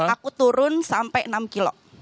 aku turun sampai enam kilo